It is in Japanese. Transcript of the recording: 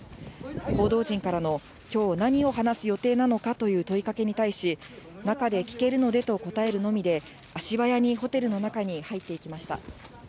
報道陣からのきょう何を話す予定なのか、問いかけに対し、中で聞けるのでと答えるのみで、足早にホテルの中に入っていきました。